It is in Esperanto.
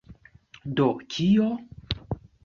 Do kio?